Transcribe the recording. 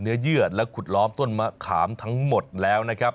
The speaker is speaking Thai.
เยื่อและขุดล้อมต้นมะขามทั้งหมดแล้วนะครับ